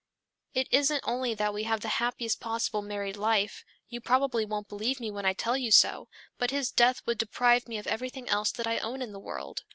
It isn't only that we have the happiest possible married life, you probably won't believe me when I tell you so, but his death would deprive me of everything else that I own in the world."